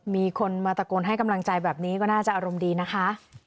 มีคนมาตะโกนให้กำลังใจแบบนี้ก็น่าจะอารมณ์ดีนะคะ